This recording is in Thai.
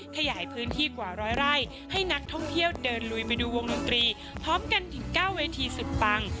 ขยายพื้นที่กว่าร้อยไร่ให้นักท่องเที่ยวเดินลุยไปดูวงดนตรีพร้อมกันถึง๙เวทีสุดปัง